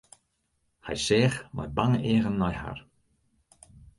Hy seach mei bange eagen nei har.